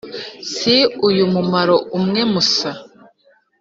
si uyu mumaro umwe musa